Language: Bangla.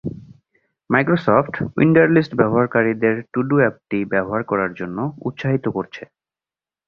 মাইক্রোসফট উন্ডারলিস্ট ব্যবহারকারীদের টু ডু অ্যাপটি ব্যবহার করার জন্য উৎসাহিত করছে।